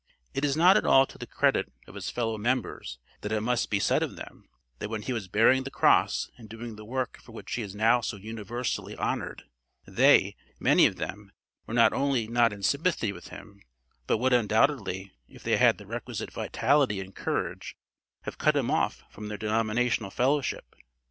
It is not at all to the credit of his fellow members, that it must be said of them, that when he was bearing the cross and doing the work for which he is now so universally honored, they, many of them, were not only not in sympathy with him, but would undoubtedly, if they had had the requisite vitality and courage, have cut him off from their denominational fellowship.